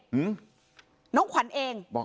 หนูเอง